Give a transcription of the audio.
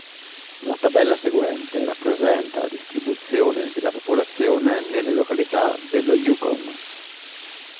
La tabella seguente rappresenta la distribuzione della popolazione nelle località dello Yukon.